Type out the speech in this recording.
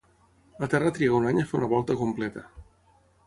La Terra triga un any a fer una volta completa.